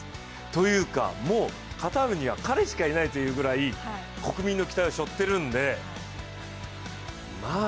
というか、もうカタールには彼しかいないというぐらい国民の期待をしょっているんでまあ